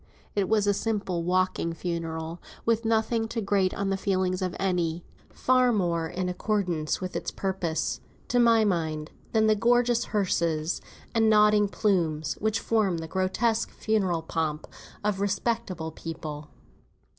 It was a simple walking funeral, with nothing to grate on the feelings of any; far more in accordance with its purpose, to my mind, than the gorgeous hearses, and nodding plumes, which form the grotesque funeral pomp of respectable people.